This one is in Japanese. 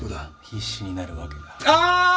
必死になるわけだ。